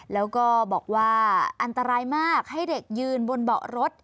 แล้วก็บอกว่าอันตรายมากให้เด็กยืนบนเบาะรถ